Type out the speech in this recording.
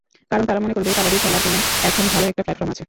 কারণ তারা মনে করবে, কাবাডি খেলার জন্য এখন ভালো একটা প্ল্যাটফর্ম আছে।